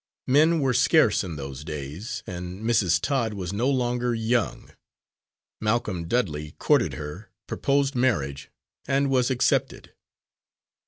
Men were scarce in those days, and Mrs. Todd was no longer young, Malcolm Dudley courted her, proposed marriage, and was accepted.